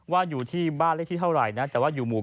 ว่าอยู่ที่บ้านเลขที่เท่าไหร่นะแต่ว่าอยู่หมู่